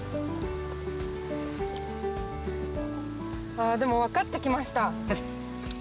あでも分かって来ました。